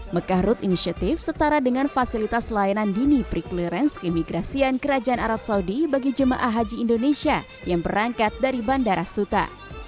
mekah road initiative setara dengan fasilitas layanan dini pre clearance keimigrasian kerajaan arab saudi bagi jemaah haji indonesia yang berangkat dari bandara suta